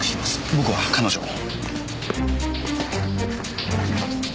僕は彼女を。